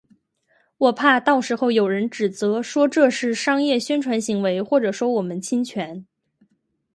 我怕到时候有人指责，说这是商业宣传行为或者说我们侵权